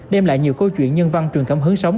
đem lại nhiều câu chuyện nhân văn truyền cảm hứng sống